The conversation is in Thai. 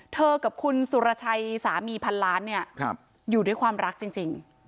กับคุณสุรชัยสามีพันล้านเนี่ยอยู่ด้วยความรักจริง